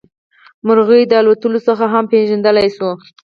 مرغۍ د الوت څخه هم پېژندلی شو.